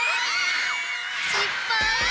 しっぱい！